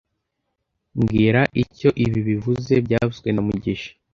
Mbwira icyo ibi bivuze byavuzwe na mugisha